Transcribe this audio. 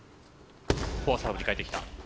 フォアサーブに変えてきた。